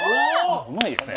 うまいですね。